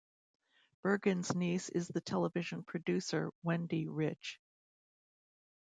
Bergen's niece is the television producer Wendy Riche.